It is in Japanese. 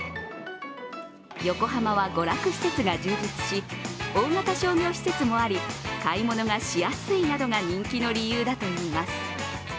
横浜は、娯楽施設が充実し、大型商業施設もあり買い物がしやすいなどが人気の理由だといいます。